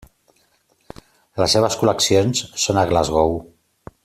Les seves col·leccions són a Glasgow.